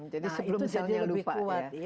jadi sebelum selnya lupa